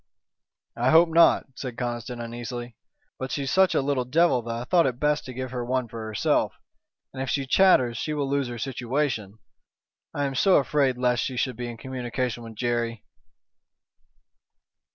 "I hope not," said Conniston, uneasily, "but she's such a little devil that I thought it best to give her one for herself. And if she chatters she will lose her situation. I am so afraid lest she should be in communication with Jerry."